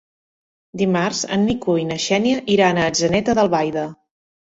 Dimarts en Nico i na Xènia iran a Atzeneta d'Albaida.